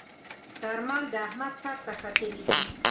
درمل د احمد سر ته ختلي ديی.